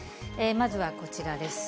まずはこちらです。